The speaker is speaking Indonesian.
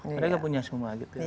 mereka punya semua gitu ya